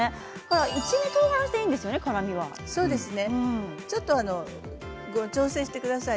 一味とうがらしでいいんですよね辛みは。調整してください。